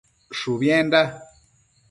Shubienda